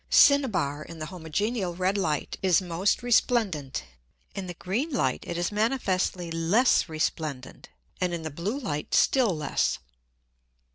Cinnaber in the homogeneal red Light is most resplendent, in the green Light it is manifestly less resplendent, and in the blue Light still less.